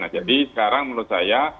jadi sekarang menurut saya